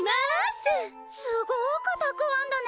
すごくたくわんだね。